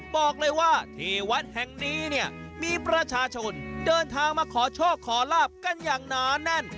บอกเลยว่าที่วัดแห่งนี้เนี่ยมีประชาชนเดินทางมาขอโชคขอลาบกันอย่างหนาแน่น